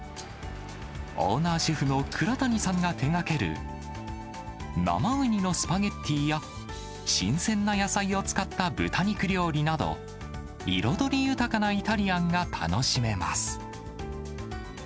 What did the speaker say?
オーナーシェフの倉谷さんが手がける、生ウニのスパゲッティーや新鮮な野菜を使った豚肉料理など、彩り豊かなイタリアンが楽しめます。